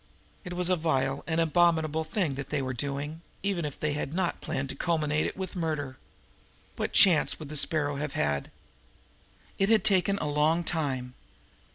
It was a vile and an abominable thing that they were doing, even if they had not planned to culminate it with murder. What chance would the Sparrow have had! It had taken a long time.